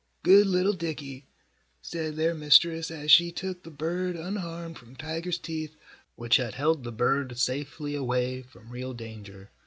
Good little Dickie!" said their mistress, as she took the bird, unharmed, from Tiger's teeth, which had held the bird safely away from real danger.